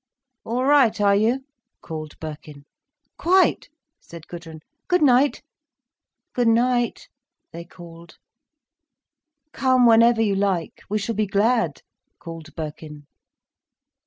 "All right, are you?" called Birkin. "Quite!" said Gudrun. "Good night!" "Good night," they called. "Come whenever you like, we shall be glad," called Birkin.